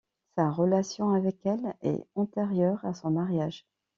Sa relation avec elle est antérieure à son mariage.